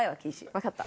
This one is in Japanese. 分かった。